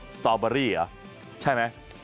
สตอเบอรี่เหรอใช่ไหม